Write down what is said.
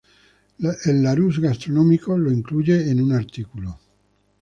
El Larousse Gastronómico lo incluye en un artículo.